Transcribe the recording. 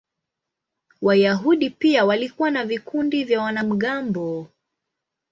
Wayahudi pia walikuwa na vikundi vya wanamgambo.